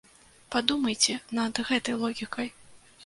Падумайце над гэтай логікай.